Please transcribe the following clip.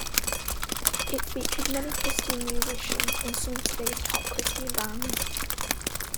It featured many Christian musicians and some of today's top Christian bands.